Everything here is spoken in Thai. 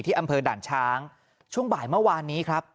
อำเภอด่านช้างช่วงบ่ายเมื่อวานนี้ครับ